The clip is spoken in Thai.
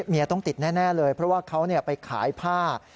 ต้องติดแน่เลยเพราะว่าเขาไปขายผ้า